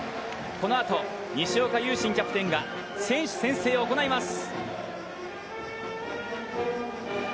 このあと、西岡悠慎キャプテンが選手宣誓を行います。